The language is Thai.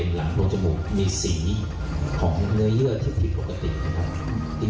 หลังตัวจมูกมีสีของเนื้อเยื่อที่ผิดปกตินะครับ